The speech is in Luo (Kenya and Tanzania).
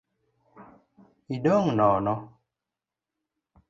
Idong’ nono